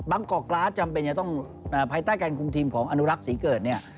กอกกราศจำเป็นจะต้องภายใต้การคุมทีมของอนุรักษ์ศรีเกิดเนี่ย